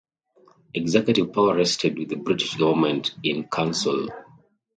Executive power rested with the British Governor-in-Council.